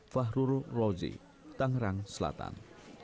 fahruru rozi tangerang selatan